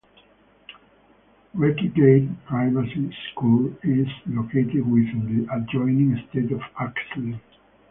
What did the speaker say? Rakegate Primary School is located within the adjoining estate of Oxley.